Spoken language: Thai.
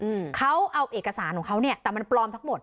อืมเขาเอาเอกสารของเขาเนี้ยแต่มันปลอมทั้งหมด